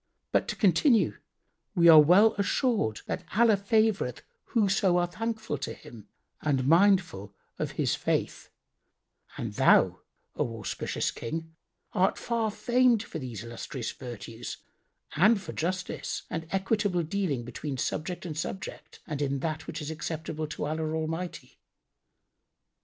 But to continue: we are well assured that Allah favoureth whoso are thankful to Him and mindful of His faith; and thou, O auspicious King, art far famed for these illustrious virtues and for justice and equitable dealing between subject and subject and in that which is acceptable to Allah Almighty.